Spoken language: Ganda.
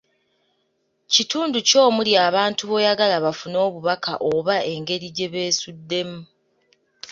Kitundu ki omuli abantu b'oyagala bafune obubaka oba engeri gye beesuddemu,